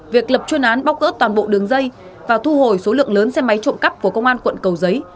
việc lập chuyên án bóc gỡ toàn bộ đường dây và thu hồi số lượng lớn xe máy trộm cắp của công an quận cầu giấy